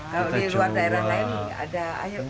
kalau di luar daerah lain ada